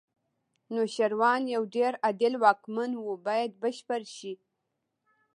نوشیروان یو ډېر عادل واکمن و باید بشپړ شي.